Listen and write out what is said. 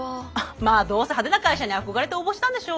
まあどうせ派手な会社に憧れて応募したんでしょ？